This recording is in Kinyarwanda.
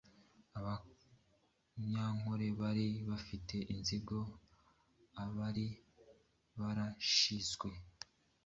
Abanyankole bari bafitiye inzigo abari barashyizwe